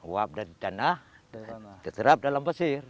uap dari tanah diterap dalam pasir